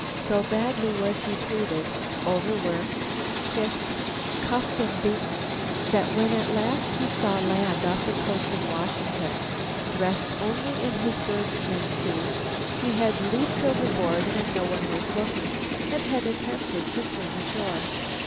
So badly was he treated, over worked, kicked, cuffed and beaten, that when at last he saw land off the coast of Washington, dressed only in his bird skin suit, he had leaped overboard when no one was looking and had attempted to swim ashore.